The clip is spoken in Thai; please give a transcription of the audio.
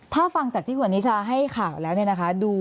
เพราะฟังจากที่หัวนี้จะให้ข่าวแล้วนะคะ